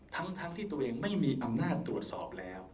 ทั้งที่ตัวเองไม่มีอำนาจตรวจสอบแล้ว